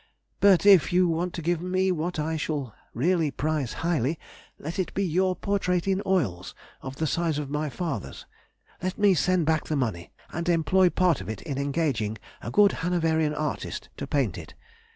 But if you want to give me what I shall really prize highly, let it be your portrait in oils of the size of my father's. Let me send back the money, and employ part of it in engaging a good Hanoverian artist to paint it.